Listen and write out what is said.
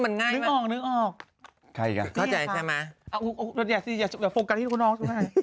อย่าโฟกกันให้ลูกน้อง